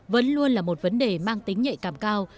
vẫn luôn là một vấn đề mang tính nhạy cảm cao